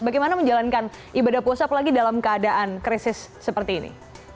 bagaimana menjalankan ibadah puasa apalagi dalam keadaan krisis seperti ini